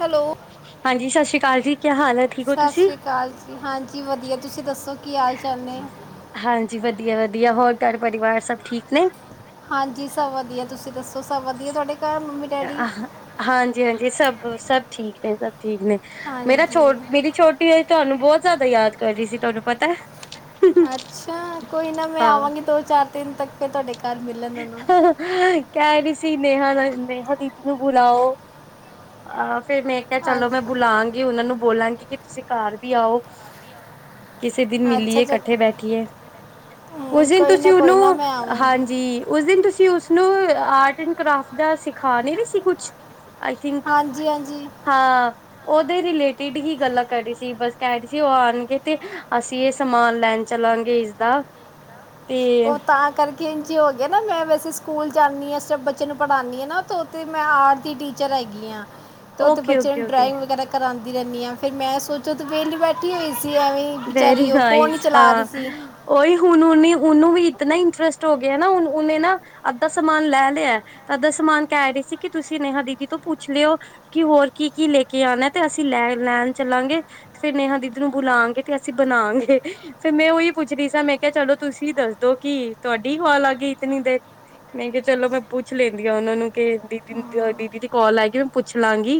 Hello ਹਾਂਜੀ, ਸਤਿ ਸ੍ਰੀ ਅਕਾਲ ਜੀ, ਕਿਆ ਹਾਲ? ਠੀਕ ਹੋ ਸਤਿ ਤੁਸੀਂ? ਸ੍ਰੀ ਅਕਾਲ ਜੀ, ਹਾਂਜੀ ਵਧੀਆ, ਤੁਸੀਂ ਦੱਸੋ ਕੀ ਹਾਲ ਚਾਲ ਨੇ? ਹਾਂਜੀ ਵਧੀਆ ਵਧੀਆ, ਹੋਰ ਘਰ ਪਰਿਵਾਰ ਸਭ ਠੀਕ ਨੇ? ਹਾਂਜੀ ਸਭ ਵਧੀਆ, ਤੁਸੀਂ ਦੱਸੋ ਸਭ ਵਧੀਆ ਤੁਹਾਡੇ ਘਰ ਮੰਮੀ ਡੈਡੀ? ਅਹ, ਹਾਂਜੀ ਹਾਂਜੀ ਸਭ, ਸਭ ਠੀਕ ਨੇ, ਸਭ ਠੀਕ ਨੇ, ਮੇਰਾ ਹਾਂਜੀ ਛੋ ਮੇਰੀ ਛੋਟੀ ਏ ਤੁਹਾਨੂੰ ਬਹੁਤ ਜ਼ਿਆਦਾ ਯਾਦ ਕਰ ਰਹੀ ਸੀ, ਤੁਹਾਨੂੰ ਪਤਾ। ਅੱਛਾ! ਕੋਈ ਨਾ ਮੈਂ ਹਾਂ। ਆਵਾਂਗੀ ਦੋ ਚਾਰ ਦਿੰਨ ਤੱਕ, ਫਿਰ ਤੁਹਾਡੇ ਘਰ ਮਿਲਣ ਉਹਨੂੰ। ਕਹਿ ਰਹੀ ਸੀ ਨੇਹਾ-ਨੇਹਾ ਦੀਦੀ ਨੂੰ ਬੁਲਾਓ, ਅਹ ਫੇਰ ਮੈਂ ਮੈਂ ਕਿਹਾ ਚਲੋ ਮੈਂ ਅੱਛ- ਬੁਲਾਾਂਗੀ, ਉਹਨਾਂ ਨੂੰ ਬੋਲਾਂਗੀ ਕਿ ਤੁਸੀਂ ਘਰ ਵੀ ਆਓ। ਕਿਸੇ ਦਿਨ ਅੱਛਾ ਮਿਲੀਏ, ਜੀ ਇਕੱਠੇ ਬੈਠੀਏ, ਉਸ ਹਮ, ਦਿਨ ਕੋਈ ਨਾ ਤੁਸੀਂ ਕੋਈ ਨਾ ਉਹਨੂੰ, ਮੈਂ ਆਵਾਂਗੀ ਹਾਂਜੀ। ਉਸ ਦਿਨ ਤੁਸੀਂ ਉਸਨੂੰ, ਆਰਟ ਐਂਡ ਕਰਾਫਟ ਦਾ ਸਿਖਾ ਨੀ ਰਹੇ ਸੀ ਕੁਛ ਆਈ ਥਿੰਕ, ਹਾਂਜੀ ਹਾਂਜੀ ਹਾਂ। ਉਹਦੇ ਰਿਲੇਟਿਡ ਹੀ ਗੱਲਾਂ ਕਰ ਰਹੀ ਸੀ, ਬਸ ਕਹਿ ਰਹੀ ਸੀ ਉਹ ਆਉਣਗੇ ਤੇ ਅਸੀਂ ਇਹ ਸਮਾਨ ਲੈਣ ਚੱਲਾਂਗੇ ਇਸਦਾ ਤੇ ਉਹ ਤਾਂ ਕਰਕੇ ਕਿੰਝੇ ਹੋ ਗਏ ਨਾ ਮੈਂ ਵੈਸੇ ਸਕੂਲ ਜਾਣੀ ਆ, ਉਸ ਟਾਈਮ ਬੱਚੇ ਨੂੰ ਪੜਾਣੀ ਆ ਨਾ ਤਾਂ ਉੱਥੇ ਮੈਂ ਆਰਟ ਦੀ ਟੀਚਰ ਹੈਗੀ ਆ। ਤੇ ਉੱਥੇ ਓਕੇ ਬੱਚੇ ਓਕੇ ਨੂੰ ਓਕੇ ਡਰਾਇੰਗ ਵਗੈਰਾ ਕਰਾਂਦੀ ਰਹਿਣੀ ਆ, ਫੇਰ ਮੈਂ ਸੋਚਿਆ ਉੱਥੇ ਵਿਹਲੀ ਬੈਠੀ ਹੋਈ ਸੀ ਐਵੇਂਈ ਵੈਰੀ ਨਾਈਸ ਹਾਂ। ਉਹੀ ਹੁਣ ਉਹਨੇ ਉਹਨੂੰ ਵੀ ਇਤਨਾ ਹੀ ਇੰਟਰਸਟ ਹੋ ਗਿਆ ਨਾ ਹੁਣ ਉਹਨੇ ਨਾ ਅੱਧਾ ਸਮਾਨ ਲੈ ਲਿਆ। ਅੱਧਾ ਸਾਮਾਨ ਕਹਿ ਰਹੀ ਸੀ ਕਿ ਤੁਸੀਂ ਨੇੇਹਾ ਦੀਦੀ ਤੋਂ ਪੁੱਛ ਲਿਓ ਕਿ ਹੋਰ ਕੀ ਕੀ ਲੈ ਕੇ ਆਣਾ ਤੇ ਅਸੀਂ ਲੈ ਲੈਣ ਚੱਲਾਂਗੇ ਤੇ ਫੇਰ ਨੇਹਾ ਦੀਦੀ ਨੂੰ ਬੁਲਾਗੇ। ਤੇ ਅਸੀਂ ਬਣਾਗੇ। ਫੇਰ ਮੈਂ ਉਹੀ ਪੁੱਛ ਰਹੀ ਸਾਂ ਮੈਂ ਕਿਹਾ ਚਲੋ ਤੁਸੀਂ ਦੱਸਦੋ ਕਿ ਤੁਹਾਡੀ ਹਵਾ ਲੱਗ ਗਈ ਇਤਨੀ ਦੇਰ। ਮੈਂ ਕਿਹਾ ਚਲੋ ਮੈਂ ਪੁੱਛ ਲੈਂਦੀ ਆ ਉਹਨਾਂ ਨੂੰ ਕਿ ਦੀਦੀ ਦੀਦੀ ਦੀ ਕਾਲ ਆਏਗੀ ਮੈਂ ਪੁੱਛ ਲਾਂਗੀ।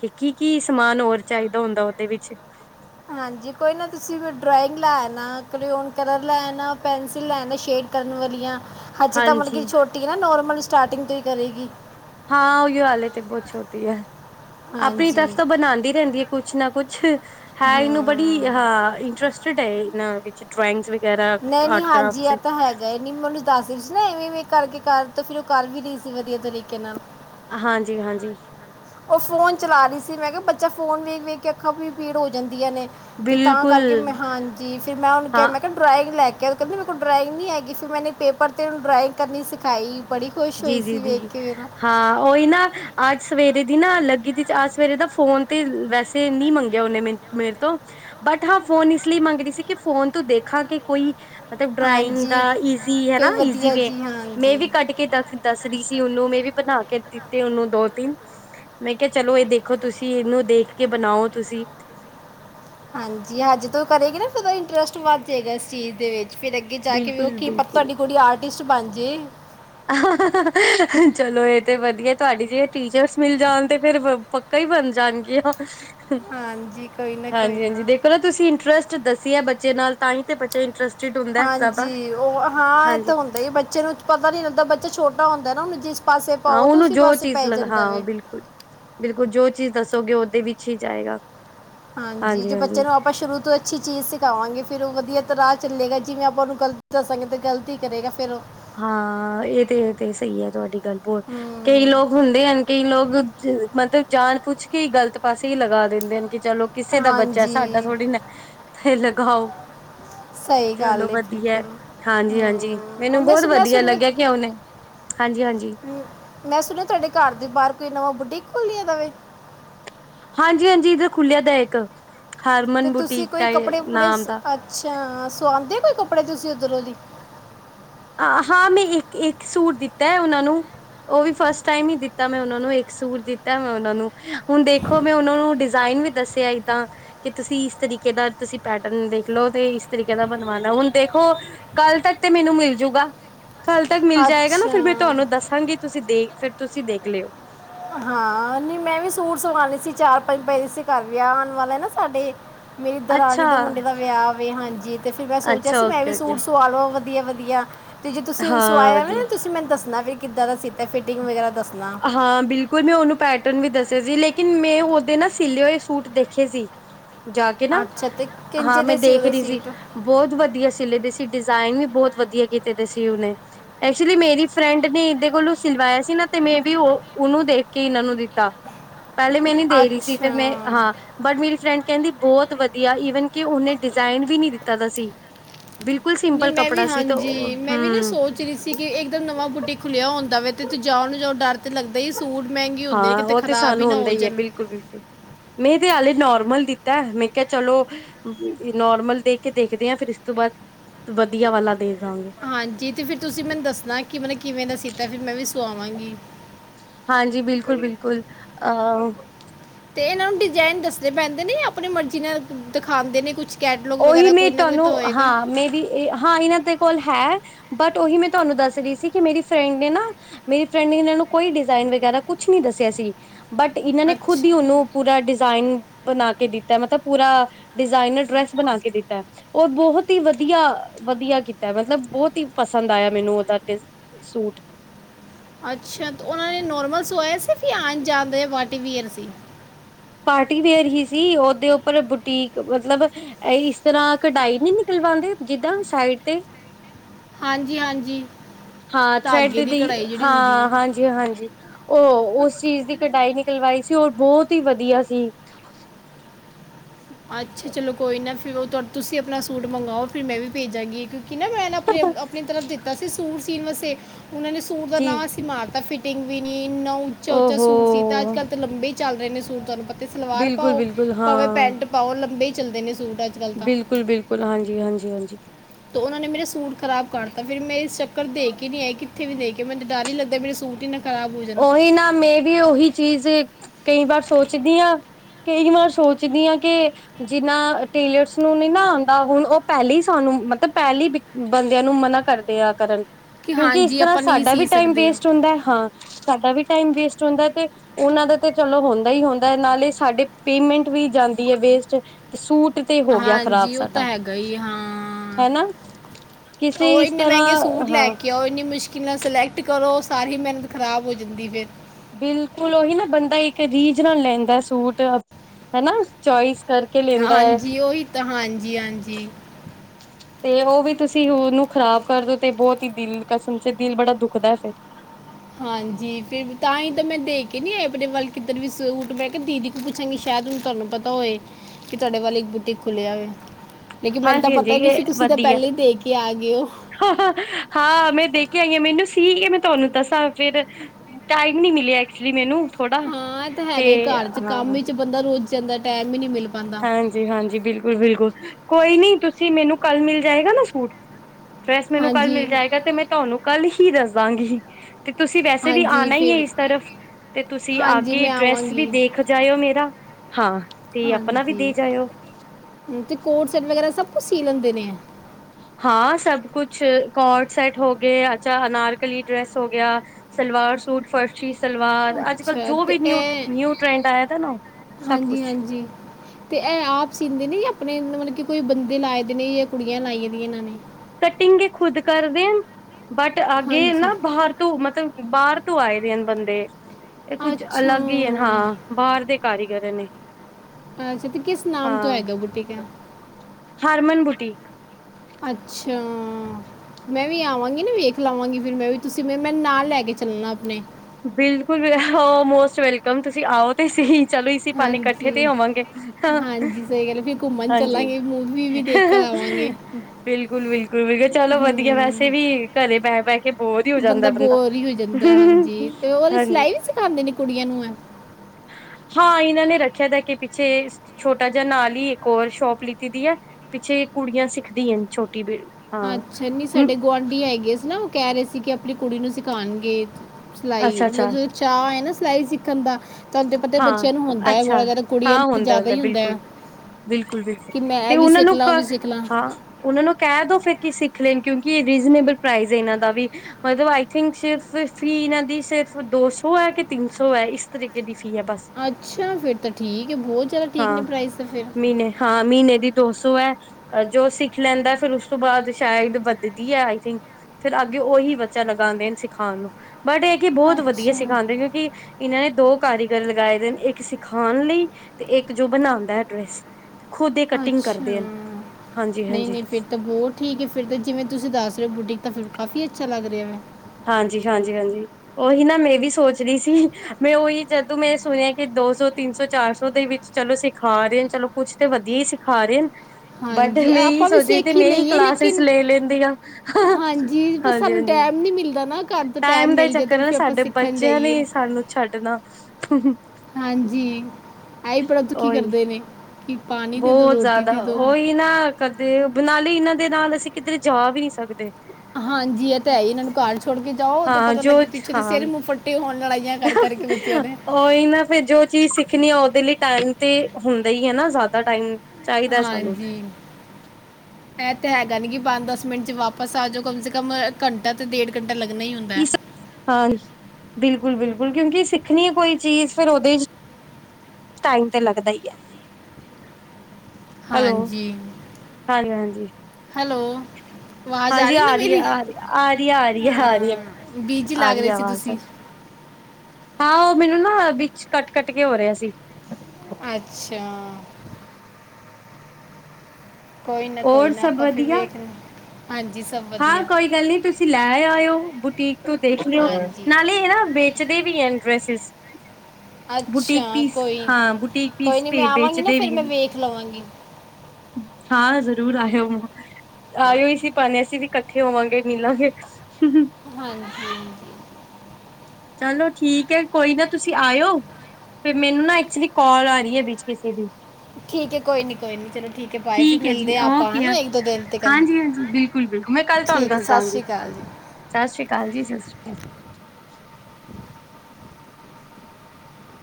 ਕੇ ਕੀ ਕੀ ਸਮਾਨ ਹੋਰ ਚਾਹੀਦਾ ਹੁੰਦਾ ਉਹਦੇ ਵਿੱਚ? ਹਾਂਜੀ ਕੋਈ ਨਾ ਤੁਸੀਂ ਡਰਾਇੰਗ ਲੈ ਆਣਾ ਕਰੀਔਨ ਕਲਰ ਲੈ ਆਣਾ, ਪੈਨਸਿਲ ਲੈ ਆਣਾ, ਸੇ ਡ ਕਰਨ ਵਾਲੀਆਂ ਹਜੇ ਤਾਂ ਮਤਲਬ ਹਾਂਜੀ ਕੀ ਛੋਟੀ ਨਾ ਨੋਰਮਲ ਸਟਾਰਟਿੰਗ ਤੋਂ ਹੀ ਕਰੇਗੀ। ਹਾਂ ਉਹੀ ਓ ਹਾਲੇ ਤੇ ਬਹੁਤ ਛੋਟੀ ਐ, ਆਪਣੀ ਹਾਂਜੀ ਤਰਫ਼ ਤੋਂ ਬਣਾਂਦੀ ਰਹਿੰਦੀ ਐ। ਕੁਛ ਨਾ ਕੁਛ, ਹੈ ਇਹਨੂੰ ਬੜੀ ਹੂੰ ਹਾਂ ਇੰਟਰਸਟਡ ਹੈ ਇਹਨਾਂ ਵਿੱਚ। ਡਰਾਇੰਗਸ ਵਗੈਰਾ, ਨਹੀਂ ਨਹੀਂ ਆਰਟ ਹਾਂਜੀ ਕਰਾਫਟ ਇਹ ਚ। ਤਾਂ ਹੈਗਾ ਹੀ ਮੈਨੂੰ ਉਹਨੂੰ ਦੱਸਦੀ ਸੀ ਨਾ ਇਵੇਂ ਇਵੇਂ ਕਰਕੇ ਕਰ ਤੇ ਫਿਰ ਉਹ ਕਰ ਵੀ ਰਹੀ ਸੀ ਵਧੀਆ ਤਰੀਕੇ ਨਾਲ। ਹਾਂਜੀ ਹਾਂਜੀ। ਉਹ ਫੋਨ ਚਲਾ ਰਹੀ ਸੀ, ਮੈਂ ਕਿਹਾ ਬੱਚਾ ਫੋਨ ਵੇਖ ਵੇਖ ਕੇ ਅੱਖਾਂ ਵੀ ਪੀੜ ਹੋ ਜਾਂਦੀਆਂ ਨੇ‌। ਤੇ ਤਾਂ ਕਰਕੇ ਮੈਂ ਬਿਲਕੁਲ ਹਾਂਜੀ, ਫਿਰ ਮੈਂ ਉਹਨੂੰ ਕਿਹਾ ਹਾਂ ਮੈਂ ਕਿਹਾ ਡਰਾਇੰਗ ਲੈ ਕੇ ਉਹ ਕਹਿੰਦੇ ਮੇਰੇ ਕੋਲ ਡਰਾਇੰਗ ਨਹੀਂ ਹੈਗੀ ਫਿਰ ਮੈਂਨੇ ਪੇਪਰ 'ਤੇਨੂੰ ਡਰਾਇੰਗ ਕਰਨੀ ਸਿਖਾਈ ਬੜੀ ਖੁਸ਼ ਜੀ, ਹੋਈ ਜੀ, ਸੀ ਜੀ, ਵੇਖ ਜੀ ਕੇ ਵੀ ਨਾ ਹਾਂ ਉਹੀ ਨਾ ਅੱਜ ਸਵੇਰੇ ਦੀ ਨਾ ਵੀ ਲੱਗੀ ਦੀ ਨਾ ਅੱਜ ਸਵੇਰੇ ਕਿ ਦਾ ਫੋਨ ਨਾ ਤੇ ਫੋਨ ਵੈਸੇ ਤੇ ਨੀ ਪੈਸੇ ਮੰਗਿਆ ਨਹੀਂ ਉਹਨੇ ਮੈਨੂੰ ਮੰਗੇ ਮੇਰੇ ਤੋਂ ਬਟ ਹਾਂ ਫੋਨ ਬਟ ਇਸ ਲਈ ਮੰਗ ਰਹੀ ਇਸ ਸੀ ਲਈ ਕਿ ਮੰਗੇ ਫੋਨ ਸੀ ਤੋਂ ਦੇਖਾਂ ਤੋਂ ਕਿ ਕੋਈ ਕਿ ਮਤਲਬ ਕਿਸੇ ਡਰਾਇੰਗ ਹਾਂਜੀ ਦਾ ਡਰਾਇੰਗ ਈਜ਼ੀ ਦਾ ਹੈ ਕੋਈ ਨਾ ਈਜ਼ੀ ਵਧੀਆ ਵੇ ਜੀ ਮੈਂ ਹਾਂਜੀ ਵੀ ਕੱਢ ਕੇ ਦ ਦੱਸ ਰਹੀ ਸੀ ਉਹਨੂੰ ਮੈਂ ਵੀ ਬਣਾ ਕੇ ਦਿੱਤੇ ਉਹਨੂੰ ਦੋ ਤਿੰਨ ਮੈਂ ਕਿਹਾ ਚਲੋ ਇਹ ਦੇਖੋ ਤੁਸੀਂ ਇਹਨੂੰ ਦੇਖ ਕੇ ਬਣਾਓ ਤੁਸੀਂ ਹਾਂਜੀ ਹਾਂਜੀੇ ਅੱਜ ਤੋਂ ਕਰੇਗੀ ਨਾ ਫਿਰ ਉਹਦਾ ਇੰਟਰਸਟ ਵੱਧ ਜਾਏਗਾ ਇਸ ਚੀਜ਼ ਦੇ ਵਿੱਚ ਫੇਿਰ ਅੱਗੇ ਜਾ ਕੇ ਵੀ ਉਹ ਬਿਲਕੁਲ ਕੀ ਬਿਲਕੁਲ ਤੁਹਾਡੀ ਕੁੜੀ ਆਰਟਿਸਟ ਬਣ ਜੇ ਚਲੋ ਇਹ ਤੇ ਵਧੀਆ ਤੁਹਾਡੀ ਜੇ ਟੀਚਰਸ ਮਿਲ ਜਾਣ ਤੇ ਫਿਰ ਪੱਕਾ ਹੀ ਬਣ ਜਾਣਗੀਆਂ ਹਾਂਜੀ ਕੋਈ ਨਾ ਕੋਈ ਹਾਂਜੀ ਹਾਂਜੀ ਦੇਖੋ ਨਾ ਤੁਸੀਂ ਇੰਟਰਸਟ ਦੱਸਿਆ ਬੱਚੇ ਨਾਲ ਤਾਂ ਹੀ ਤੇ ਬੱਚਾ ਇੰਟਰਸਟ ਹਾਂਜੀ ਉਹ ਹਾਂ ਇਹ ਹਾਂਜੀ ਤਾਂ ਹੁੰਦਾ ਹੀ ਬੱਚੇ ਨੂੰ ਪਤਾ ਨੀ ਲੱਗਦਾ ਬੱਚਾ ਛੋਟਾ ਹੁੰਦਾ ਨਾ ਜਿਸ ਪਾਸੇ ਹਾਂ ਪਾਓ ਤਾਂ ਉਹਨੂੰ ਉਸੇ ਜੋ ਪਾਸੇ ਚੀਜ਼ ਪੈ ਲਗ ਜਾਂਦਾ ਹਾਂ ਵੇ ਬਿਲਕੁਲ ਬਿਲਕੁਲ ਜੋ ਚੀਜ਼ ਦੱਸੋਗੇ ਉਹਦੇ ਵਿੱਚ ਹੀ ਜਾਏਗਾ ਹਾਂਜੀ ਜੋ ਬੱਚਿਆਂ ਨੂੰ ਆਪਾਂ ਸ਼ੁਰੂ ਤੋਂ ਅੱਛੀ ਚੀਜ਼ ਸਿਖਾਵਾਂਗੇ ਫੇਿਰ ਉਹ ਵਧੀਆ ਤ ਰਾਹ ਚੱਲੇਗਾ ਜਿਵੇਂ ਆਪਾਂ ਉਹਨੂੰ ਗਲਤੀ ਦੱਸਾਂਗੇ ਤਾਂ ਗ਼ਲਤੀ ਕਰੇਗਾ ਫਿਰ ਓਹ ਹਾਂ ਇਹ ਤੇ ਇਹ ਤੇ ਸਹੀ ਹੈ ਤੁਹਾਡੀ ਗੱਲ ਬਹੁਤ ਕਈ ਹਮ, ਲੋਕ ਹੁੰਦੇ ਹਨ ਕਿ ਲੋਕ ਮਤਲਬ ਜਾਣ ਪੁੱਛ ਕੇਇ ਗਲਤ ਪਾਸੇ ਹੀ ਲਗਾ ਦਿੰਦੇ ਹਨ ਕਿ ਚਲੋ ਕਿਸੇ ਦਾ ਬੱਚਾ ਸਾਡਾ ਹਾਂਜੀ ਥੋੜੀ ਨਾ ਤੇ ਲਗਾਓ ਸਹੀ ਚਲੋ ਗੱਲ ਹੈ ਬਿਲਕੁਲ ਵਧੀਆ ਹਾਂਜੀ ਹਾਂਜੀ ਹਮ, ਉਹ ਮੈਨੂੰ ਮੈਂ ਬਹੁਤ ਸੁ- ਮੈਂ ਵਧੀਆ ਲੱਗਿਆ ਕਿਉਨੇ ਹਾਂਜੀ ਹਾਂਜੀ ਹ ਮੈਂ ਸੁਣਿਆ ਤੁਹਾਡੇ ਘਰ ਦੇ ਬਾਹਰ ਕੋਈ ਨਵਾਂ ਬੁੱਟਕ ਖੁਲੀਆਂ ਦਾ ਵੇ ਹਾਂਜੀ ਹਾਂਜੀ ਇੱਧਰ ਖੁੱਲਿਆ ਦਾ ਇੱਕ ਤੇ ਹਰਮਨ ਤੁਸੀਂ ਬੁਟੀਕ ਕੋਈ ਟ ਕੱਪੜੇ ਕੁਪੜੇ ਨਾਮ ਸ- ਦਾ ਅੱਛਾ ਸਆਉਂਦੇ ਕੋਈ ਕੱਪੜੇ ਤੁਸੀਂ ਉਧਰੋਂ ਦੀ ਹਾਂ, ਮੈਂ ਇੱਕ-ਇੱਕ ਸੂਟ ਦਿੱਤਾ ਐ ਓਨਾਂ ਨੂੰ। ਓਵੀ ਫਸਟ ਟਾਈਮ ਈ ਦਿੱਤਾ ਮੈਂ ਉਨ੍ਹਾ ਨੂੰ, ਇੱਕ ਸੂਟ ਦਿੱਤਾ ਮੈਂ ਉਨ੍ਹਾ ਨੂੰ, ਹੁਣ ਦੇਖੋ ਮੈਂ ਉਨ੍ਹਾ ਨੂੰ ਡਿਜ਼ਾਇਨ ਵੀ ਦੱਸਿਆ ਏਦਾਂ ਕੇ ਤੁਸੀਂ ਇਸ ਤਰੀਕੇ ਦਾ ਤੁਸੀਂ ਪੈਟਰਨ ਦੇਖ ਲੋ ਤੇ ਇਸ ਤਰੀਕੇ ਦਾ ਬਣਵਾਣਾ, ਹੁਣ ਦੇਖੋ ਕੱਲ ਤੱਕ ਤੇ ਮੈਨੂੰ ਮਿਲ ਜੂਗਾ, ਕੱਲ ਤੱਕ ਮਿਲ ਜਾਏਗਾ ਨਾ ਅੱਛਾ ਫੇਰ ਮੈਂ ਤੁਆਨੂੰ ਦੱਸਾਂਗੀ, ਤੁਸੀਂ ਦੇ ਫਿਰ ਤੁਸੀਂ ਦੇਖ ਲਿਓ। ਹਾਂ, ਨ ਮੈਂ ਵੀ ਸੂਟ ਸਵਾਣੇ ਸੀ ਚਾਰ-ਪੰਜ ਪਏ ਸੀ ਘਰ, ਵਿਆ ਆਂਣ ਵਾਲਾ ਨਾ ਸਾਡੇ ਮੇਰੀ ਦਰਾਣੀ ਅੱਛਾ ਦੇ ਮੁੰਡੇ ਦਾ ਵਿਆਹ ਵੇ, ਹਾਂਜੀ। ਤੇ ਫੇਰ ਮੈਂ ਸੋਚਿਆ ਅੱਛਾ ਸੀ, ਮੈਂ ਵੀ ਓਕੇ ਸੂਟ ਓਕੇ ਸਵਾ ਲਵਾ ਵਧੀਆ-ਵਧੀਆ। ਤੇ ਜੇ ਤੁਸੀਂ ਹੁਣ ਹਾਂ ਸਵਾਇਆ ਨਾ ਵਧੀਆ ਤੁਸੀ ਮੈਨੂੰ ਦੱਸਣਾ, ਵੀ ਕਿੱਦਾਂ ਦਾ ਸੀਤਾ ਫਿਟਿੰਗ ਵਗੈਰਾ ਦੱਸ ਹਾਂ, ਬਿ ਉਨੇ ਉਨੂੰ ਪੈਟਰਨ ਵੀ ਦੱਸੇ ਸੀ ਲੇਕਿਨ, ਮੈਂ ਓਦੇ ਨਾ ਸੀਲੇ ਹੋਏ ਸੂਟ ਦੇਖੇ ਸੀ। ਜਾ ਕੇ ਨਾ ਅੱਛਾ ਤੇ ਹਾਂ, ਕਿੰਜੇ ਦੇ ਮੈਂ ਦੇਖ ਉਹਦੇ ਰਹੀ ਸੀ। ਸੀਟ ਬੋਤ ਵਧੀਆ ਸੀਲੇ ਦੇ ਸੀ, ਡਿਜ਼ਾਇਨ ਵੀ ਬੋਤ ਵਧੀਆ ਕੀਤੇ ਦੇ ਸੀ ਉਨੇ। ਐਚੁਲੀ ਮੇਰੀ ਫਰੈਂਡ ਨੇ ਏਦੇ ਕੋਲੋਂ ਸਿਲਵਾਇਆ ਸੀ ਨਾ। ਤੇ ਮੈਂ ਵੀ ਓ ਓਨੂੰ ਦੇਖ ਕੇ ਏਨਾਂ ਨੂੰ ਦਿੱਤਾ ਪੈਲੇ ਮੈਂ ਏਨੂੰ ਦੇ ਰਹੀ ਸੀ, ਫਿਰ ਮੈਂ ਹਾਂ ਅੱਛਾ ਬਟ ਮੇਰੀ ਫਰੈਂਡ ਕੈਂਦੀ ਬੋਤ ਵਧੀਆ, ਈਵਨ ਕਿ ਉਨੇ ਡਿਜ਼ਾਇਨ ਵੀ ਨੀ ਦਿੱਤਾ ਦਾ ਵਾ ਸੀ। ਬਿਲਕੁਲ ਨਹੀਂ ਸਿੰਪਲ ਮੈਂ ਕੱਪੜਾ ਸੀ ਤੇ ਹੂੰ ਕੇ ਇੱਕਦਮ ਨਵਾਂ ਬੁਟੀਕ ਖੁੱਲ੍ਹਿਆ ਹੁੰਦਾ ਵਾ ਅਤੇ ਤੁਸੀ ਜਾਓ ਨੂੰ ਜੋ, ਡਰ ਤਾਂ ਲੱਗਦਾ ਈ ਸੂਟ ਮੈਂਗੇ ਹਾਂ, ਓ ਤੇ ਸਾਨੂੰ ਹੁੰਦਾ ਈ ਐ, ਬਿਲਕੁਲ-ਬਿਲਕੁਲ। ਮੈਂ ਤੇ ਹਾਲੇ ਨੌਰਮਲ ਦਿੱਤਾ, ਮੈਂ ਕਿਆ ਚਲੋ ਨੌਰਮਲ ਦੇ ਕੇ ਦੇਖਦੇ ਆ, ਫੇਰ ਏਸ ਤੋਂ ਬਾਦ ਵਦੀਆ ਵਾਲਾ ਦੇਖ ਲਾਂਗੇ। ਹਾਂਜੀ ਤੇ ਫਿਰ ਤੁਸੀਂ ਮੈਨੂੰ ਦੱਸਣਾ ਕਿ ਮਤਬ ਕਿਵੇਂ ਦਾ ਸੀਤਾ, ਫੇਰ ਮੈਂ ਵੀ ਸਵਾਵਾਂਗੀ। ਹਾਂਜੀ, ਬਿਲਕੁਲ-ਬਿਲਕੁਲ ਅ ਤੇ ਏਨਾਂ ਨੂੰ ਡੀਜਾਇਨ ਦੱਸਣੇ ਪੈਂਦੇ ਨੇ, ਆਪਣੀ ਮਰਜ਼ੀ ਨਾਲ ਦਿਖਾਂਦੇ ਨੇ, ਕੁਛ ਕੈਟਲੋਗ ਉਹੀ ਵਗੈਰਾ ਮੈਂ ਕੋਈ ਨਾ ਕੋਈ ਤੁਹਾਨੂੰ ਤਾਂ ਹੋਏਗਾ। ਹਾਂ ਮੇ ਵੀ ਹਾਂ ਏਨਾਂ ਦੇ ਕੋਲ ਹੈ, ਬਟ ਉਹੀ ਮੈਂ ਤੁਆਨੂੰ ਦੱਸ ਰਹੀ ਸੀ, ਕਿ ਮੇਰੀ ਫਰੈਂਡ ਨੇ ਨਾ ਮੇਰੀ ਫਰੈਂਡ ਨੇ ਏਨਾਂ ਨੂੰ ਕੋਈ ਡਿਜ਼ਾਇਨ ਵਗੈਰਾ ਕੁਛ ਨੀ ਦੱਸਿਆ ਸੀ। ਬਟ ਏਨਾਂ ਨੇ ਖੁਦ ਈ ਅੱਛਾ ਓਨੂੰ ਪੂਰਾ ਡਿਜ਼ਾਇਨ ਬਣਾ ਕੇ ਦਿੱਤਾ, ਮਤਲਬ ਪੂਰਾ ਡਿਜ਼ਾਇਨਰ ਡਰੈਸ ਬਣਾ ਕੇ ਦਿੱਤਾ। ਓ ਬਹੋਤ ਹੀ ਵਧੀਆ-ਵਧੀਆ ਕੀਤਾ, ਮਤਲਬ ਬੋਤ ਈ ਪਸੰਦ ਆਇਆ ਮੈਨੂੰ, ਓਹਦਾ ਤੇ ਸੂਟ ਅੱਛਾ, ਤੇ ਓਨਾਂ ਨੇ ਨੋਰਮਲ ਸਵਾਇਆ ਸੀ, ਆਂਣ ਜਾਣ ਦੇ ਪਾਰਟੀ ਵੀਅਰ ਸੀ? ਪਾਰਟੀ ਵੀਅਰ ਹੀ ਸੀ, ਓਹਦੇ ਉੱਪਰ ਬੁਟੀਕ ਮਤਲਬ ਇਹ ਇਸ ਤਰ੍ਹਾਂ ਕਢਾਈ ਨਹੀਂ ਨਿਕਲ ਵਾਉਂਦੇ ਜਿੱਦਾਂ ਸਾਈਡ ਤੇ ਹਾਂਜੀ-ਹਾਂਜੀ। ਹਾਂ, ਥਰੈਡ ਦੀ ਹੁੰਦੀ ਹਾਂ, ਹੈ ਹਾਂਜੀ ਜੀ ਹਾਂਜੀ, ਓ ਓਸ ਚੀਜ਼ ਦੀ ਕਡਾਈ ਨਿਕਲਵਾਈ ਸੀ, ਓ ਬੋਤ ਈ ਵਧੀਆ ਸੀ। ਅੱਛਾ, ਚਲੋ ਕੋਈ ਨਾ ਫੇਰ ਓ ਤੁਸੀਂ ਆਪਣਾ ਸੂਟ ਮੰਗਾਓ, ਫਿਰ ਮੈਂ ਵੀ ਭੇਜਾਂਗੀ, ਇਕ ਕਿ ਨਾ ਮੈਂ ਆਪਣੇ ਆਪਣੀ ਤਰਫ ਦਿੱਤਾ ਸੀ ਸੂਟ ਸੀਣ ਵਾਸਤੇ, ਓਨਾਂ ਨੇ ਸੂਟ ਦਾ ਜੀ ਨਾਂਸ ਈ ਮਾਰਤਾ। ਫਿਰ ਫੀਟਿੰਗ ਵੀ ਨੀ ਏਨਾ ਉੱਚਾ-ਉੱਚਾ ਸੂਟ ਸੀਤਾਂ, ਓਹੋ ਅੱਜ-ਕੱਲ ਤਾਂ ਲੰਬੇ ਈ ਚੱਲ ਰਹੇ ਨੇ ਸੂਟ, ਤੁਆਨੂੰ ਪਤਾ ਤੇ ਸਲਵਾਰ ਬਿਲਕੁਲ ਪਾਓ ਬਿਲਕੁਲ ਭਾਵੇਂ ਹਾਂ ਪੈਂਟ ਪਾਓ, ਲੰਬੇ ਈ ਚੱਲਦੇ ਨੇ, ਸੂਟ ਅੱ ਬਿਲਕੁਲ-ਬਿਲਕੁਲ, ਹਾਂਜੀ, ਹਾਂਜੀ, ਹਾਂਜੀ। ਤੇ ਓਹਨਾਂ ਨੇ ਮੇਰਾ ਸੂਟ ਖਰਾਬ ਕਰਤਾ ਫਿਰ ਮੈਂ ਇਸ ਚੱਕਰ ਦੇ ਕੇ ਨੀ ਆਈ, ਕਿੱਥੇ ਵੀ ਦੇ ਕੇ ਮੈਨੂੰ ਡਰ ਈ ਲੱਗਦਾ, ਮੇਰੇ ਸੂਟ ਹੀ ਨਾ ਖਰਾਬ ਹੋ ਜਾਣ ਓਹੀ ਨਾ ਮੇ ਵੀ ਓਹੀ ਚੀਜ਼ ਕਈ ਵਾਰ ਸੋਚਦੀ ਆਂ ਕਈ ਵਾਰ ਸੋਚਦੀ ਆਂ ਕੇ ਜਿੰਨਾ ਟੇਲਰਸ ਨੂੰ ਨੀ ਨਾ ਆਂਦਾ ਹੁਨ ਓ ਪਹਿਲੀ ਸਾਨੂੰ ਮਤਲਬ ਪਹਿਲੀ ਬੰਦੇਆਂ ਨੂੰ ਮਨਾ ਕਰਦੇ ਆ ਕਰਨ, ਕਿ ਕਿਓਂਕਿ ਇਸ ਹਾਂਜੀ ਤਰਾਂ ਆਪਾਂ ਨਹੀਂ ਸਾਡਾ ਵੀ ਸੀ ਟਾਈਮ ਸਕਦੇ ਵੇਸਟ ਹੁੰਦਾ ਐ ਹਾਂ। ਸਾਡਾ ਵੀ ਟਾਈਮ ਵੇਸਟ ਹੁੰਦਾ ਤੇ ਓਨਾਂ ਦਾ ਤੇ ਚਲੋ ਹੁੰਦਾ ਈ ਹੁੰਦਾ ਨਾਲੇ ਸਾਡੇ ਪੇਮੈਂਟ ਵੀ ਜਾਂਦੀ ਐ ਵੇਸਟ। ਸੂਟ ਤੇ ਹੋ ਗੇਆ ਖ਼ਰਾਬ ਹਾਂਜੀ ਉਹ ਤਾਂ ਸਾਡਾ, ਹੈਗਾ ਹੀ ਹਾਂ ਹੈਨਾ। ਕਿਸੇ ਇਸ ਤਰਾਂ ਹਾਂ ਕਿੰਨਾ ਸਿਲੈਕਟ ਕਰੋ ਸਾਰੀ ਮੇਅਨਤ ਖ਼ਰਾਬ ਹੋ ਜਾਂਦੀ ਫੇਰ ਬਿਲਕੁਲ ਓਹੀ ਨਾ ਬੰਦਾ ਇੱਕ ਰੀਜ ਨਾਲ ਲੈਂਦਾ ਸੂਟ, ਹਨਾ ਚੋਇਸ ਕਰ ਹਾਂਜੀ ਓਈ ਤਾਂ ਹਾਂਜੀ-ਹਾਂਜੀ। ਤੇ ਓ ਵੀ ਤੁਸੀਂ ਓਨੂੰ ਖ਼ਰਾਬ ਕਰਦੋ ਤੇ ਬੋਤ ਈ ਦਿਲ ਕਸਮ ਸੇ ਦਿਲ ਬੜਾ ਦੁਖਦਾ ਫੇਰ। ਹਾਂਜੀ, ਫੇਰ ਤਾਂਹੀ ਤਾਂ ਮੈਂ ਦੇ ਕੇ ਨੀ ਆਪਨੇ ਵੱਲ ਕਿੱਦਰ ਵੀ ਸੂਟ ਮੈਂ ਕਿਆ ਦੀਦੀ ਪੁੱਛਾਂਗੀ ਸ਼ੈਦ ਹੁਨ ਤਾਨੂੰ ਪਤਾ ਹੋਏ ਕੇ ਤੁਆਡੇ ਵੱਲ ਇੱਕ ਬੂਟੀਕ ਖੁੱਲੇਆ ਵੇ। ਲੇਕਿਨ ਮੈਨੂੰ ਤਾਂ ਹਾਂਜੀ ਹਾਂਜੀ ਪਤਾ ਈ ਨਈਂ ਇਹ ਸੀ। ਤੁਸੀਂ ਤਾਂ ਵਧੀਆ ਪੈਲੇ ਈ ਦੇ ਕੇ ਆ ਗਏ ਓਂ। ਹਾਂ ਮੈਂ ਦੇ ਕੇ ਆਈ ਆਂ ਮੈਨੂੰ ਸੀ ਮੈਂ ਤਆਨੂੰ ਦੱਸਾਂ ਫੇਰ ਟਾਈਮ ਨੀ ਮਿਲਿਆ ਐਕਚੁਲੀ ਮੈਨੂੰ ਥੋੜਾ ਹਾਂ ਇਹ ਤਾਂ ਤੇ ਹੈਗਾ ਹੀ ਘਰ 'ਚ ਕੰਮ ਹਾਂ ਵਿੱਚ ਬੰਦਾ ਰੁੱਝ ਜਾਂਦਾ ਟਾਈਮ ਈ ਨੀ ਮਿਲ ਪਾਉਂਦਾ ਹਾਂਜੀ-ਹਾਂਜੀ ਬਿਲਕੁਲ-ਬਿਲਕੁਲ, ਕੋਈ ਨੀ ਤੁਸੀਂ ਮੈਨੂੰ ਕੱਲ ਮਿਲ ਜਾਏਗਾ ਨਾ ਸੂਟ। ਡਰੈਸ ਮੈਨੂੰ ਕੱਲ ਮਿਲ ਹਾਂਜੀ ਜਾਏਗਾ ਤੇ ਮੈਂ ਤੁਆਨੂੰ ਕੱਲ ਹੀ ਦੱਸ ਦਾਂਗੀ। ਤੇ ਤੁਸੀਂ ਵੈਸੇ ਵੀ ਹਾਂਜੀ ਆਨਾ ਈ ਏ ਫਿਰ ਏਸ ਤਰਫ, ਤੇ ਤੁਸੀਂ ਆ ਹਾਂਜੀ ਕੇ ਮੈਂ ਡਰੈਸ ਵੀ ਆਵਾਂਗੀ ਦੇਖ ਜਾਇਓ ਮੇਰਾ, ਹਾਂ। ਤੇ ਆਪਣਾ ਵੀ ਹਾਂਜੀ, ਦੇ ਜਾਇਓ ਤੇ ਕੋਟ ਸੈਟ ਵਗੈਰਾ ਸਬ ਕੁਝ ਸੀਅ ਲੈਂਦੇ ਨੇ ਐ। ਹਾਂ ਸਬ ਕੁਛ ਕੋਟ ਸੈਟ ਹੋ ਗਏ, ਅੱਛਾ ਅਨਾਰਕਲੀ ਡ੍ਰੈਸ ਹੋ ਗੇਆ ਸਲਵਾਰ ਸੂ ਸੂਟ ਫਰਸ਼ੀ ਸਲਵਾਰ ਅੱਜ-ਕੱਲ ਅੱਛਾ ਜੋ ਤੇ ਵੀ ਇਹ ਨਿਊ ਟਰੈਂਡ ਆਏਆ ਦਾ ਨਾ ਓ ਸਬ ਹਾਂਜੀ ਕੁਛ ਹਾਂਜੀ ਤੇ ਐ ਆਪ ਸੀਂਦੇ ਨੇ ਜਾ ਆਪਨੇ ਮਤਲਬ ਕੇ ਕੋਈ ਬੰਦੇ ਲਾਏ ਦੇ ਨੇ ਜਾਂ ਕੁੜੀਆਂ ਲਾਈ ਦੀਆਂ ਏਨਾ ਨੇ। ਕਟਿੰਗ ਏ ਖੁਦ ਕਰਦੇ ਹਨ, ਬਟ ਆਗੇ ਹਾਂਜੀ ਨਾ ਬਾਹਰ ਤੋ ਮਤਲਬ ਬਾਰ ਤੋਂ ਆਏ ਦੇ ਹਨ ਬੰਦੇ, ਏ ਕੁੱਝ ਅੱਛਾ ਅਲੱਗ ਈ ਐ ਹਾਂ ਬਾਰ ਦੇ ਕਾਰੀਗਰ ਨੇ। ਅੱਛਾ, ਤੇ ਕਿਸ ਨਾਮ ਤੋਂ ਹੈਗਾ ਬੂਟੀਕ ਐ। ਹਰਮਨ ਬੁਟੀਕ। ਅੱਛਾ। ਮੈਂ ਵੀ ਆਵਾਂਗੀ ਨਾ ਵੇਖ ਲਵਾਂਗੀ ਫਿਰ ਮੈਂ ਵੀ ਤੁਸੀਂ ਮ ਮੈਂਨੂੰ ਨਾਲ ਲੈ ਕੇ ਚੱਲਨਾ ਆਪਨੇ ਬਿਲਕੁਲ ਓ ਮੋਸਟ ਵੈਲਕਮ, ਤੁਸੀਂ ਆਓ ਤੇ ਸਹੀ ਚਲੋ ਇਸੀ ਬਹਾਨੇ ਕੱਠੇ ਤੇ ਹਾਂਜੀ ਹੋਵਾਂਗੇ, ਹਾਂ ਹਾਂਜੀ ਸਹੀ ਗੱਲ ਹੈ। ਫਿਰ ਘੁੰਮਣ ਹਾਂਜੀ-ਹਾਂਜੀ। ਚੱਲਾਂਗੇ ਮੂਵੀ ਵੀ ਦੇਖ ਕਰ ਆਵਾਂਗੇ ਬਿਲਕੁਲ-ਬਿਲਕੁਲ-ਬਿਲਕੁਲ ਚਲੋ ਵਦੀਆ ਹਮ ਵੈਸੇ ਵੀ ਘਰੇ ਬੈ-ਬੈ ਕੇ ਬੋਰ ਈ ਹੋ ਜਾਂਦਾ ਬੰਦਾ। ਬੋਰ ਹੀ ਹੋ ਜਾਂਦਾ ਹਾਂਜੀ ਤੇ ਓ ਹਾਂਜੀ ਸਿਲਾਈ ਵੀ ਸਿਖਾਂਦੇ ਨੇ ਕੁੜੀਆਂ ਨੂੰ ਐ। ਹਾਂ, ਏਨਾਂ ਨੇ ਰੱਖਿਆ ਦਾ ਕਿ ਪਿੱਛੇ ਛੋਟਾ ਜਾ ਨਾਲ ਈ ਇੱਕ ਹੋਰ ਸ਼ੋਪ ਲਿੱਤੀ ਦੀ ਐ। ਪਿੱਛੇ ਕੁੜੀਆਂ ਸਿੱਖਦੀਆਂ ਨ ਛੋਟੀ ਬਿ ਅੱਛਾ, ਨੀ ਸਾਡੇ ਗੁਆਂਢੀ ਹੈਗੇ ਸੀ ਨਾ ਓ ਕੈ ਰਏ ਸੀ ਕੇ ਆਪਣੀ ਕੁੜੀ ਨੂੰ ਸਿਖਾਨਗੇ। ਸਿਲਾਈ, ਅੱਛਾ ਓਨਾਂ ਅੱਛਾ ਚ ਓ ਚਾਅ ਐ ਨਾ ਸਿਲਾਈ ਸਿੱਖਨ ਦਾ। ਤੁਹਾਨੂੰ ਤੇ ਪਤਾ ਹੈ ਹਾਂ, ਬੱਚਿਆਂ ਨੂੰ ਹੁੰਦਾ ਹੈ ਬੜਾ ਅੱਛਾ, ਜ਼ਿਆਦਾ ਕੁੜੀਆਂ ਹਾਂ ਤੇ ਜ਼ਿਆਦਾ ਹੁੰਦਾ-ਹੁੰਦਾ ਹੀ ਹੁੰਦਾ ਹੈ ਬਿਲਕੁਲ। ਬਿਲਕੁਲ-ਬਿਲਕੁਲ, ਕਿ ਮੈਂ ਤੇ ਇਹ ਵੀ ਓਨਾਂ ਸਿੱਖ ਨੂੰ ਲਾਂ ਉਹ ਕ ਵੀ ਸਿੱਖ ਲਾਂ ਹਾਂ ਉਹਨਾਂ ਨੂੰ ਕਹਿ ਦੋ ਫਿਰ ਕੀ ਸਿੱਖ ਲੈਣ, ਕਿਉਂਕਿ, ਇਹ ਰੀਜਨੇਬਲ ਪ੍ਰਾਈਜ਼ ਹੈ ਇਹਨਾਂ ਦਾ ਵੀ ਮਤਲਬ ਆਈ ਥਿੰਕ, ਸਿਰਫ ਫੀ ਇਹਨਾਂ ਦੀ ਸਿਰਫ ਦੋ ਸੌ ਹੈ ਕਿ ਤਿੰਨ ਸੌ ਹੈ। ਤਰੀਕੇ ਦੀ ਫੀ ਹੈ ਬਸ, ਅੱਛਾ ਫਿਰ ਤਾਂ ਠੀਕ ਹੈ ਬਹੁਤ ਜ਼ਿਆਦਾ ਠੀਕ ਨੇ ਹਾਂ ਪ੍ਰਾਈਸ ਤਾਂ ਫਿਰ ਮਹੀਨੇ ਹਾਂ, ਮਹੀਨੇ ਦੀ ਦੋ ਸੌ ਹੈ। ਜੋ ਸਿੱਖ ਲੈਂਦਾ ਫਿਰ ਉਸ ਤੋਂ ਬਾਅਦ ਸ਼ਾਇਦ ਵੱਧਦੀ ਹੈ, ਆਈ ਥਿੰਕ ਫਿਰ, ਅੱਗੇ ਉਹੀ ਬੱਚਾ ਲਗਾਉਂਦੇ ਨੇ, ਸਿਖਾਉਣ ਨੂੰ ਬਟ ਇਹ ਕਿ ਬਹੁਤ ਵਧੀਆ ਅੱਛਾ ਸਿਖਾਉਂਦੇ ਕਿਉਂਕਿ ਇਹਨਾਂ ਨੇ ਦੋ ਕਾਰੀਗਰ ਲਗਾਏ ਦੇ ਨੇ, ਇੱਕ ਸਿਖਾਉਣ ਲਈ ਤੇ ਇੱਕ ਜੋ ਬਣਾਉਂਦਾ ਹੈ ਡਰੈਸ ਖੁਦ ਦੇ ਕਟਿੰਗ ਅੱਛਾ ਕਰਦੇ ਹਨ, ਹਾਂਜੀ ਨਹੀਂ -ਹਾਂਜੀ! ਨਹੀਂ ਫਿਰ ਤਾਂ ਬਹੁਤ ਠੀਕ ਹੈ, ਫਿਰ ਤਾਂ ਜਿਵੇਂ ਤੁਸੀਂ ਦੱਸ ਰਹੇ ਹੋ ਬੂਟਿਕ ਤਾਂ ਫਿਰ ਕਾਫੀ ਅੱਛਾ ਲੱਗ ਰਿਹਾ। ਹਾਂਜੀ -ਹਾਂਜੀ -ਹਾਂਜੀ! ਉਹੀ ਨਾ, ਮੈਂ ਵੀ ਸੋਚ ਰਹੀ ਸੀ, ਮੈਂ ਉਹੀ ਜਦੋਂ ਮੈਂ ਸੁਣਿਆ ਕਿ ਦੋ ਸੌ ਤਿੰਨ ਸੌ ਚਾਰ ਸੌ ਦੇ ਵਿੱਚ ਚਲੋ ਸਿਖਾ ਰਹੇ ਨੇ ਚਲੋ ਕੁਛ ਤਾਂ ਵਧੀਆ ਹੀ ਸਿਖਾ ਰਹੇ ਨੇ। ਬਟ ਹਾਂਜੀ ਮੈਂ ਇਹ ਆਪਾਂ ਵੀ ਸੋਚਦੀ ਸੀ ਸਿੱਖ ਮੈਂ ਹੀ ਲਈਏ ਕਲਾਸਿਸ ਲੇਕਿਨ ਲੈ ਲੈਂਦੀ ਹਾਂ। ਹਾਂਜੀ ਸਾਨੂੰ ਟੈਮ ਨੀ ਮਿਲਦਾ ਨਾ ਘਰ ਤੋਂ, ਟੈਮ ਦਾ ਹੀ ਮਿਲ ਜਾਏ ਚੱਕਰ ਤਾਂ ਹੈ ਨਾ ਫਿਰ ਆਪਾਂ ਸਾਡੇ ਸਿੱਖਣ ਬੱਚਿਆਂ ਜਾਈਏ। ਨੇ ਸਾਨੂੰ ਛੱਡਣਾ ਹਾਂਜੀ, ਐਹੀ ਬੜਾ ਦੁਖੀ ਉਹੀ ਕਰਦੇ ਨੇ। ਕਿ ਪਾਣੀ ਦੇ ਦਿਓ ਬਹੁਤ ਰੋਟੀ ਜ਼ਿਆਦਾ, ਦੇ ਦਿਓ ਉਹੀ ਨਾ ਕਰਦੇ, ਬਨਾਲੇ ਇਹਨਾਂ ਦੇ ਨਾਲ ਅਸੀਂ ਕਿੱਧਰ ਜਾ ਵੀ ਨਹੀਂ ਸਕਦੇ। ਹਾਂਜੀ, ਇਹ ਤਾਂ ਹੈ, ਇਹਨਾਂ ਨੂੰ ਘਰ ਛੋੜ ਕੇ ਜਾਓ, ਉਹ ਤੇ ਹਾਂ ਪਤਾ ਜੋ ਲੱਗੇ ਪਿੱਛੇ ਦੀ ਹਾਂ ਸਿਰ ਮੂੰਹ ਫੱਟੇ ਹੋਣ ਲੜਾਈ ਕੋਈ ਨਾ, ਫਿਰ ਜੋ ਚੀਜ਼ ਸਿੱਖਣੀ ਆ ਉਹਦੇ ਲਈ ਟਾਈਮ ਤੇ ਹੁੰਦਾ ਹੀ ਹੈ ਨਾ, ਜ਼ਿਆਦਾ ਟਾਈਮ ਚਾਹੀਦਾ ਸਾਨੂੰ ਹਾਂਜੀ। ਇਹ ਤੇ ਹੈਗਾ ਨੀ ਕਿ ਪੰਜ ਦਸ ਮਿੰਟ ਚ ਵਾਪਸ ਆ ਜਾਓ, ਕਮ ਸੇ ਕਮ ਘੰਟੇ ਇਹ। ਤਾਂ ਡੇਢ ਘੰਟਾ ਲੱਗਣਾ ਹੀ ਹੁੰਦਾ। ਹਾਂਜੀ, ਬਿਲਕੁਲ -ਬਿਲਕੁਲ ਕਿਉਂਕਿ ਸਿੱਖਣੀ ਹੈ ਕੋਈ ਚੀਜ਼ ਫੇਰ ਉਹਦੇ ਟਾਈਮ ਤੇ ਲੱਗਦਾ ਹੀਏ। ਹਾਂਜੀ। ਹਾਂਜੀ- ਹਾਂਜੀ! ਹੈਲੋ। ਆਵਾਜ਼ ਹਾਂਜੀ, ਆ ਨਾ ਰਹੀ ਹੈ ਮੇਰੀ -ਆ ਰਹੀ -ਆ ਰਹੀ -ਆ ਰਹੀ ਹੈ -ਆ ਰਹੀ ਹੈ! ਹਾਂ ਬੀਜੀ ਆ ਲਗ ਰਹੀ ਰਹੇ ਸੀ ਆਵਾਜ਼ ਤੁਸੀਂ,। ਤੁਹਾਡੀ ਹਾਂ ਉਹ ਮੈਨੂੰ ਨਾ ਵਿੱਚ ਕੱਟ ਕੱਟ ਕੇ ਹੋ ਰਿਹਾ ਸੀ। ਅੱਛਾ। ਕੋਈ ਨਾ -ਕੋਈ ਹੋਰ ਨਾ ਸਭ ਆਪਾਂ ਫਿਰ ਵਧੀਆ ਵੇਖ ਹਾਂਜੀ ਸਭ ਹਾਂ ਵਧੀਆ ਕੋਈ ਗੱਲ ਨਹੀਂ ਤੁਸੀਂ ਲੈ ਆਇਓ, ਬੁਟੀਕ ਤੋਂ ਦੇਖ ਲਿਓ ਹਾਂਜੀ ਨਾਲੇ ਨਾ ਬੇ ਚਦੇ ਵੀ ਐਨ ਡ੍ਰੈਸਿਸ। ਅੱਛਾ ਬੁਟੀਕ ਪੀਸ, ਕੋਈ ਹਾਂ ਬੁਟੀਕ ਕੋਈ ਪੀਸ ਨਹੀਂ ਮੈਂ ਭੇ ਆਵਾਂਗੀ ਨਾ ਬੇਚਦੇ ਫਿਰ ਵੀ ਮੈਂ ਏ। ਵੇਖ ਲਵਾਂਗੀ। ਹਾਂ ਜ਼ਰੂਰ ਆਇਓ। ਆਇਓ, ਇਸੀ ਭਾਨੇ ਅਸੀਂ ਵੀ ਕੱਠੇ ਹੋਵਾਂਗੇ, ਮਿਲਾਂਗੇ ਹੂੰ ਹਾਂਜੀ। ਚਲੋ ਠੀਕ ਐ। ਕੋਈ ਨਾ ਤੁਸੀਂ ਆਇਓ। ਫੇਰ ਮੈਨੂੰ ਨਾ ਐਕਚੁਲੀ ਕੋਲ ਆ ਰੀ ਐ ਵਿਚ ਕਿਸੇ ਦੀ। ਠੀਕ ਏ, ਕੋਈ ਨੀ ਕੋਈ ਨੀ, ਚਲੋ ਠੀਕ ਏ ਬਾਏ। ਫੇਰ ਹੈ ਜੀ ਮਿਲਦੇ ਆ ਓਕੇ ਆਪਾਂ ਇੱਕ ਦੋ ਦਿਨ ਤੀਕਨ। ਹਾਂਜੀ ਹਾਂਜੀ ਬਿਲਕੁਲ - ਬਿਲਕੁਲ, ਮੈਂ ਕੱਲ ਤੁਆਨੂੰ ਦੱਸ ਦਾਂਗੀ। ਸਸ ਸ੍ਰੀ ਕਾਲ ਜੀ, ਸਸ ਸ਼੍ਰੀ ਕਾਲ। [inaudible]